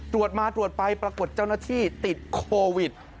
ตรวจมาตรวจไปปรากฏเจ้าหน้าที่ติดโควิด